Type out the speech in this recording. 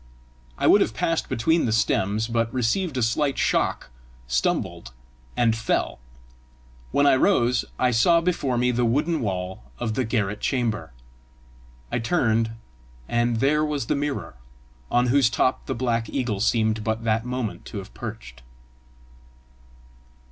I would have passed between the stems, but received a slight shock, stumbled, and fell. When I rose, I saw before me the wooden wall of the garret chamber. I turned, and there was the mirror, on whose top the black eagle seemed but that moment to have perched.